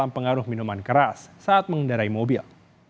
pengaruh minuman keras saat mengendarai mobil